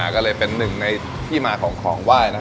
ก็เลยเป็นหนึ่งในที่มาของของไหว้นะครับผม